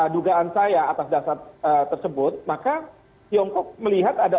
dugaan saya atas dasar tersebut maka tiongkok melihat ada